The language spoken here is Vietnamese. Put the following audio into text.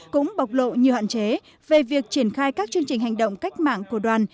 cũng bộc lộ nhiều hạn chế về việc triển khai các chương trình hành động cách mạng của đoàn